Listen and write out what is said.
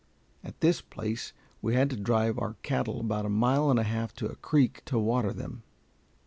At this place we had to drive our cattle about a mile and a half to a creek to water them.